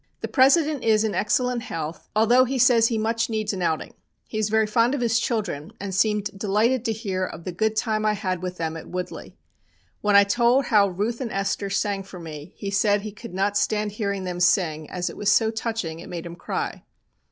"The President is in excellent health although he says he much needs an outing. He is very fond of his children, and seemed delighted to hear of the good time I had with them at Woodley. When I told how Ruth and Esther sang for me he said he could not stand hearing them sing, as it was so touching it made him cry.